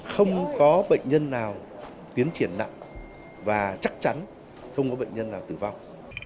không có bệnh nhân nào tiến triển nặng và chắc chắn không có bệnh nhân nào tử vong